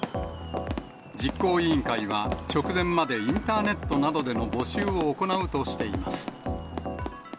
実行委員会は、直前までインターネットなどでの募集を行うとしています。